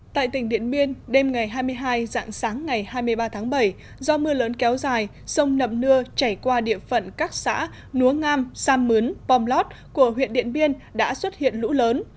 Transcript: tại tỉnh điện biên đêm ngày hai mươi hai dạng sáng ngày hai mươi ba tháng bảy do mưa lớn kéo dài sông nậm nưa chảy qua địa phận các xã núa ngam sam mướn pom lót của huyện điện biên đã xuất hiện lũ lớn